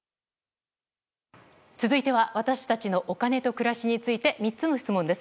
続いては私たちのお金と暮らしについて３つの質問です。